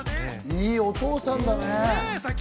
いいお父さんだね。